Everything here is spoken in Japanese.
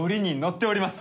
ッております！